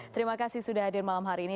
terima kasih sudah hadir malam hari ini